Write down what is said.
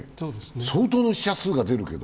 相当の死者数が出るけど。